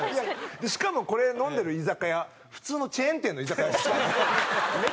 しかもこれ飲んでる居酒屋普通のチェーン店の居酒屋ですからね。